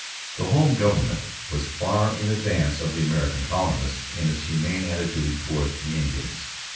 The home government was far in advance of the American colonists in its humane attitude towards the Indians.